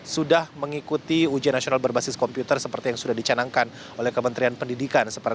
sudah mengikuti ujian nasional berbasis komputer seperti yang sudah dicanangkan oleh kementerian pendidikan